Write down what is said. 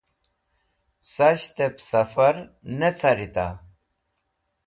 Sashtẽb sẽfar ne carita>